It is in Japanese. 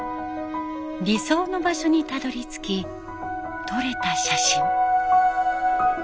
理想の場所にたどりつき撮れた写真。